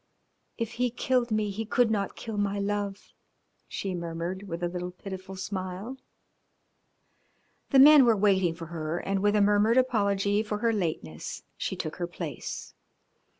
"If he killed me he could not kill my love," she murmured, with a little pitiful smile. The men were waiting for her, and with a murmured apology for her lateness she took her place.